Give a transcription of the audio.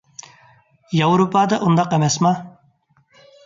ياۋروپادا ئۇنداق ئەمەسما؟